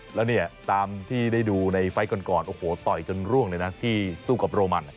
แล้วเนี่ยตามที่ได้ดูในไฟล์ก่อนโอ้โหต่อยจนร่วงเลยนะที่สู้กับโรมัน